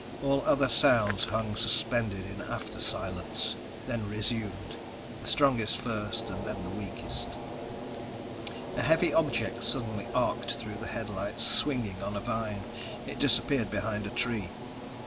All other sounds hung suspended in after silence, then resumed: the strongest first and then the weakest. A heavy object suddenly arced through the headlights, swinging on a vine. It disappeared behind a tree.